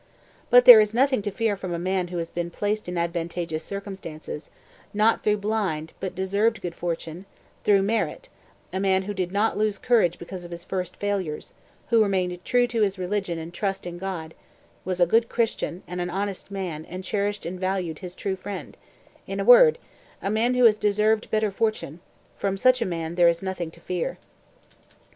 But there is nothing to fear from a man who has been placed in advantageous circumstances, not through blind, but deserved good fortune, through merit, a man who did not lose courage because of his first failures, who remained true to his religion and trust in God, was a good Christian and an honest man and cherished and valued his true friend, in a word, a man who has deserved better fortune from such a man, there is nothing to fear."